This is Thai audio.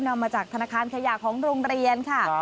นำมาจากธนาคารขยะของโรงเรียนค่ะ